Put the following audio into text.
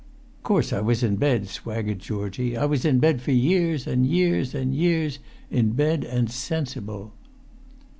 "Course I was in bed," swaggered Georgie; "I[Pg 307] was in bed for years an' years an' years—in bed and sensible."